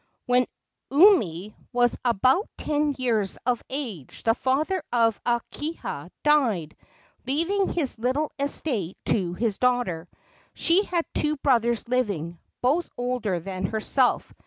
When Umi was about ten years of age the father of Akahia died, leaving his little estate to his daughter. She had two brothers living, both older than herself.